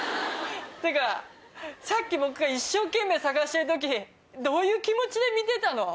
っていうかさっき僕が一生懸命捜してる時どういう気持ちで見てたの？